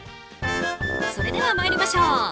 それでは参りましょう。